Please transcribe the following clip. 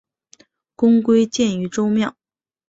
公归荐于周庙。